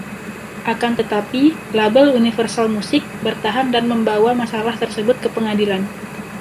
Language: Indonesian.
Akan tetapi, label Universal Music, bertahan dan membawa masalah tersebut ke pengadilan.